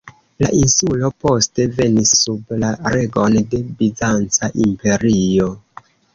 La insulo poste venis sub la regon de Bizanca imperio.